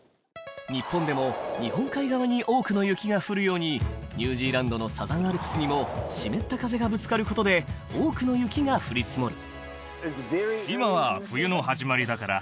日本でも日本海側に多くの雪が降るようにニュージーランドのサザンアルプスにも湿った風がぶつかることで多くの雪が降り積もる